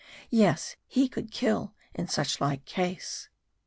Yes, he could kill in suchlike case.